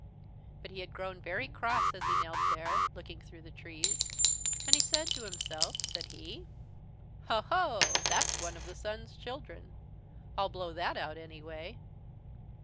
"But he had grown very cross as he knelt there, looking through the trees, and he said to himself, said he: "'Ho, ho! That's one of the Sun's children. I'll blow that out anyway.'